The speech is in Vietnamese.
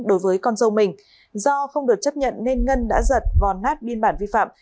đối với con dâu mình do không được chấp nhận nên ngân đã giật vò nát biên bản vi phạm